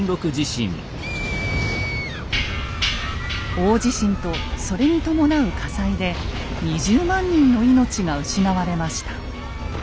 大地震とそれに伴う火災で２０万人の命が失われました。